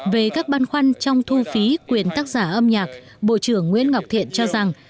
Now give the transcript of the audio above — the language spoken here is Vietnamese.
về các băn khoăn trong thu phí quyền tác giả âm nhạc bộ trưởng nguyễn ngọc thiện cho rằng